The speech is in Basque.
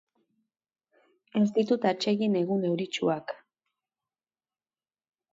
Ez ditut atsegin egun euritsuak.